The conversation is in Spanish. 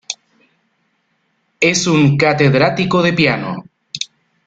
Es un catedrático de piano.